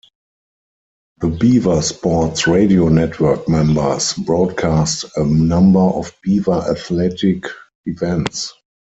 The Beaver Sports Radio Network members broadcast a number of Beaver athletic events.